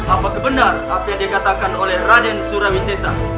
apa kebenar apa yang dikatakan oleh raden surawisesa